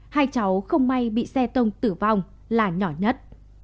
hai cháu không may bị xe tông tử vong là nhỏ nhất